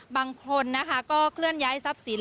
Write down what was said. บางคนก็เคลื่อนย้ายทรัพย์ศิลป์